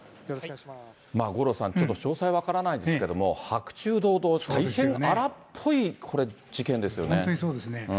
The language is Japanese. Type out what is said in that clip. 五郎さん、ちょっと詳細は分からないですけれども、白昼堂々、大変荒っぽい本当にそうですね。